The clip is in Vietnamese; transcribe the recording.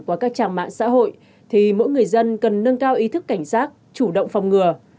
qua các trang mạng xã hội thì mỗi người dân cần nâng cao ý thức cảnh giác chủ động phòng ngừa